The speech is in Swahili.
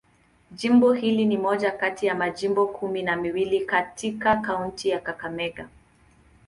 Jimbo hili ni moja kati ya majimbo kumi na mawili katika kaunti ya Kakamega.